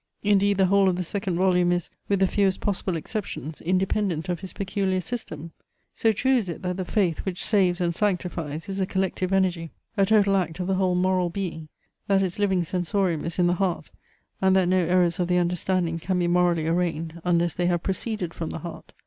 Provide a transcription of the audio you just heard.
Indeed the whole of the second volume is, with the fewest possible exceptions, independent of his peculiar system. So true is it, that the faith, which saves and sanctifies, is a collective energy, a total act of the whole moral being; that its living sensorium is in the heart; and that no errors of the understanding can be morally arraigned unless they have proceeded from the heart.